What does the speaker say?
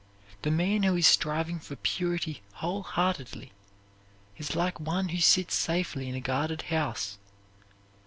The man who is striving for purity whole heartedly is like one who sits safely in a guarded house.